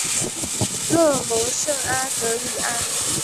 勒蒙圣阿德里安。